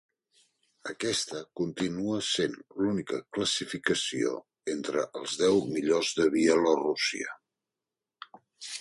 Aquesta continua sent l'única classificació entre els deu millors de Bielorússia.